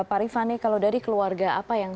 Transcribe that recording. pak rifani kalau dari keluarga apa yang